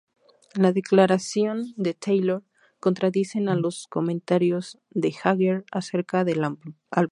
Las declaración de Taylor contradicen a los comentarios de Jagger acerca del álbum.